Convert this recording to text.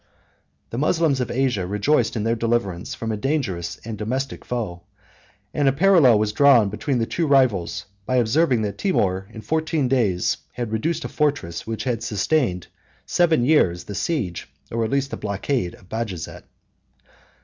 The Moslems of Asia rejoiced in their deliverance from a dangerous and domestic foe; and a parallel was drawn between the two rivals, by observing that Timour, in fourteen days, had reduced a fortress which had sustained seven years the siege, or at least the blockade, of Bajazet.